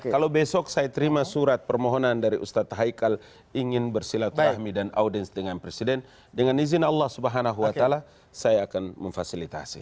kalau besok saya terima surat permohonan dari ustaz haikal ingin bersilat rahmi dan audiens dengan presiden dengan izin allah subhanahu wa ta'ala saya akan memfasilitasi